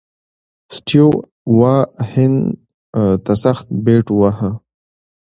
سټیو وا هند ته سخت بیټ وواهه.